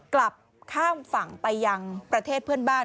กลับข้ามฝั่งไปยังประเทศเพื่อนบ้าน